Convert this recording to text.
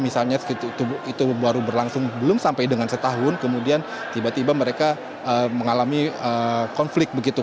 misalnya itu baru berlangsung belum sampai dengan setahun kemudian tiba tiba mereka mengalami konflik begitu